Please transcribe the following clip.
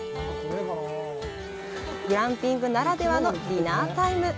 グランピングならではのディナータイム。